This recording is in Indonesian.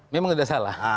memang tidak salah